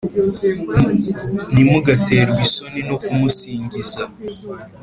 ntimugaterwe isoni no kumusingiza.